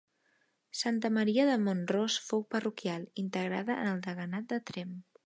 Santa Maria de Mont-ros fou parroquial, integrada en el Deganat de Tremp.